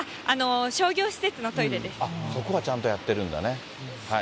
そこはちゃんとやってるんだね。